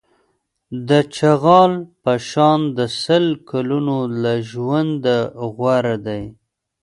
د چغال په شان د سل کلونو له ژونده غوره دی.